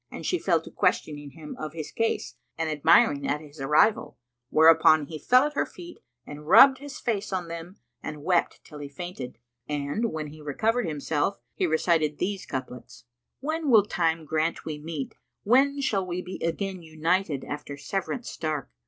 And she fell to questioning him of his case and admiring at his arrival, whereupon he fell at her feet and rubbed his face on them and wept till he fainted; and, when he recovered himself, he recited these couplets, "When will Time grant we meet, when shall we be * Again united after severance stark?